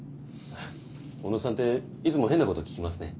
小野さんっていつも変なこと聞きますね。